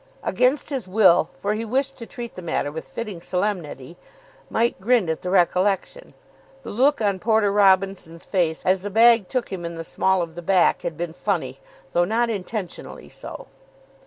Against his will, for he wished to treat the matter with fitting solemnity, Mike grinned at the recollection. The look on Porter Robinson's face as the bag took him in the small of the back had been funny, though not intentionally so.